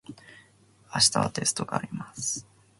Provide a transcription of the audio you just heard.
明日はテストがあります。